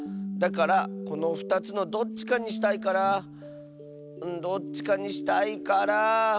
だからこの２つのどっちかにしたいからどっちかにしたいから。